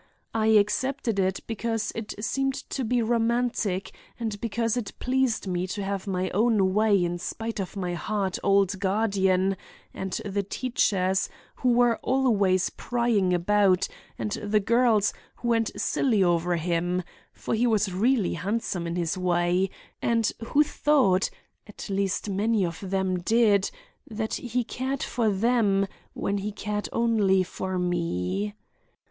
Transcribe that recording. I accepted it because it seemed to be romantic and because it pleased me to have my own way in spite of my hard old guardian and the teachers, who were always prying about, and the girls, who went silly over him—for he was really handsome in his way—and who thought, (at least many of them did,) that he cared for them when he cared only for me.